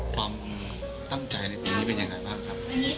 ความตั้งใจในปีนี้เป็นยังไงบ้างครับ